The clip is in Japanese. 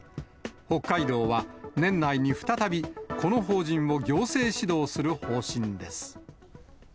北海道は、年内に再び、この法人を行政指導する方針です。